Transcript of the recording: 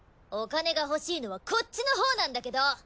お金がほしいのはこっちのほうなんだけど。